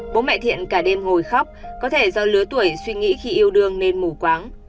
bố mẹ thiện cả đêm hồi khóc có thể do lứa tuổi suy nghĩ khi yêu đương nên mù quáng